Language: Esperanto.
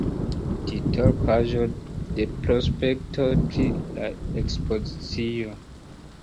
Titolpaĝo de prospekto pri la ekspozicio.